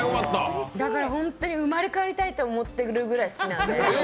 だから、本当に生まれ変わりたいと思っているぐらい好きなので。